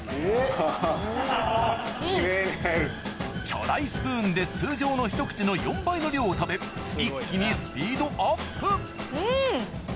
巨大スプーンで通常のひと口の４倍の量を食べ一気にスピードアップうん！